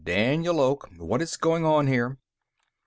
"Daniel Oak. What is going on here?"